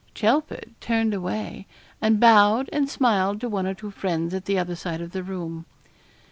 Chelford turned away, and bowed and smiled to one or two friends at the other side of the room.